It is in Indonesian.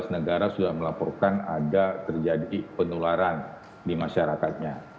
sebelas negara sudah melaporkan ada terjadi penularan di masyarakatnya